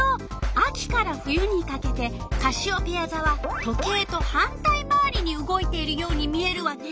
秋から冬にかけてカシオペヤざは時計と反対回りに動いているように見えるわね。